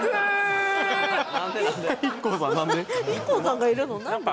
ＩＫＫＯさんがいた・何で？